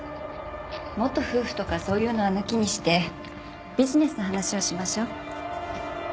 元夫婦とかそういうのは抜きにしてビジネスの話をしましょ。